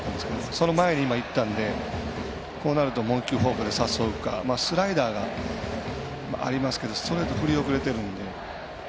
その前にいったので、こうなるともう１球、フォークで誘うかスライダーがありますけどストレート振り遅れているんで。